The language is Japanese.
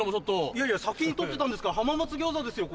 いやいや先に取ってたんですから浜松餃子ですよ